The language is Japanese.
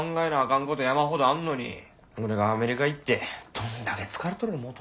かんこと山ほどあんのに俺がアメリカ行ってどんだけ疲れとる思う